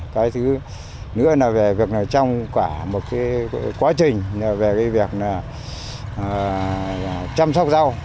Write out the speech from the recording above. cái thứ nữa là trong cả một quá trình về việc chăm sóc rau